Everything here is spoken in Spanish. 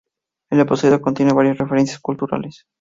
El episodio contiene varias referencias culturales.